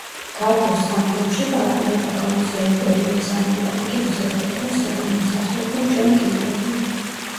გარბოს სამ ფილმში პარტნიორობა გაუწია იმ პერიოდის ამერიკული კინოს ერთ-ერთმა ცნობილმა მსახიობმა ჯონ გილბერტმა.